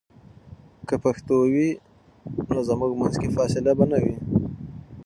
که پښتو وي، نو زموږ منځ کې فاصله به نه وي.